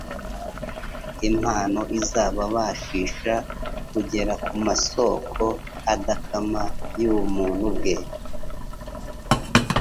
impano izababashisha hugera ku masoko adakama y'ubmtu bwe.